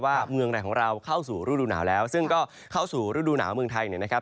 เมืองไหนของเราเข้าสู่ฤดูหนาวแล้วซึ่งก็เข้าสู่ฤดูหนาวเมืองไทยเนี่ยนะครับ